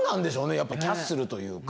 やっぱりキャッスルというか。